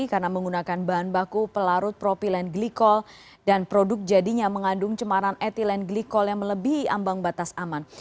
karena menggunakan bahan baku pelarut propilen glikol dan produk jadinya mengandung cemaran etilen glikol yang melebihi ambang batas aman